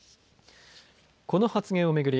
この発言を巡り